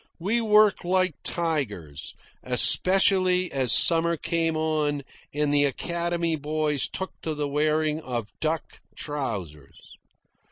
We worked like tigers, especially as summer came on and the academy boys took to the wearing of duck trousers.